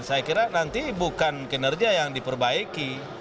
saya kira nanti bukan kinerja yang diperbaiki